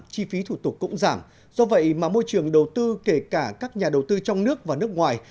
chi phí thủ tục cũng giảm do vậy mà môi trường đầu tư kể cả các nhà đầu tư trong nước và nước ngoài